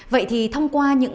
vậy thì thông tin của các nghệ sĩ